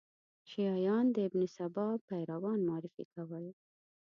شیعیان د ابن سبا پیروان معرفي کول.